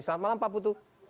selamat malam pak putu